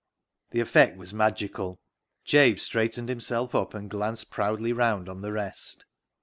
The effect was magical. Jabe straightened himself up and glanced proudly round on the rest.